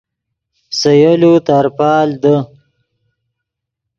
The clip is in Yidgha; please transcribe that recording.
سے یولو ترپال دے